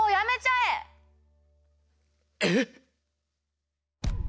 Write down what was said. えっ？